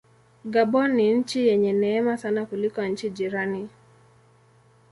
Gabon ni nchi yenye neema sana kuliko nchi jirani.